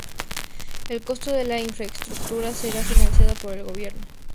El costo de la infraestructura será financiada por el gobierno.